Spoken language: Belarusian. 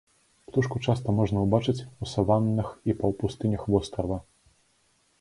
Птушку часта можна ўбачыць у саваннах і паўпустынях вострава.